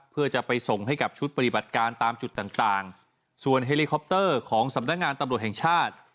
เพื่อจะไปส่งให้กับชุดปฏิบัติการตามจุดต่างต่างส่วนเฮลิคอปเตอร์ของสำนักงานตำรวจแห่งชาติ